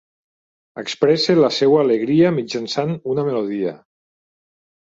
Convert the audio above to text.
Expressa la seva alegria mitjançant una melodia.